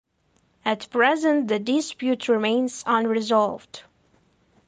At present the dispute remains unresolved.